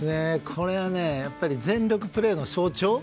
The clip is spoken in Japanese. これは、全力プレーの象徴。